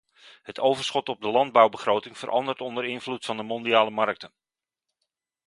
Het overschot op de landbouwbegroting verandert onder invloed van de mondiale markten.